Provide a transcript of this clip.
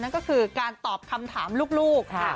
นั่นก็คือการตอบคำถามลูกค่ะ